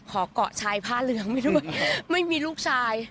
ขอเกาะชายผ้าเหลืองให้ด้วยไม่มีลูกชาย